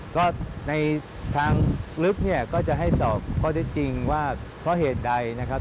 ก็ในทางลึกเนี่ยก็จะให้สอบข้อได้จริงว่าเพราะเหตุใดนะครับ